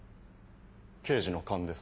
刑事の勘です。